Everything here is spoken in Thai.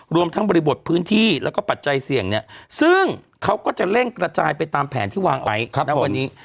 รวมทั้งบริบทพื้นที่แล้วก็ปัจจัยเสี่ยงเนี่ยซึ่งเขาก็จะเร่งกระจายไปตามแผนที่วางไว้ณวันนี้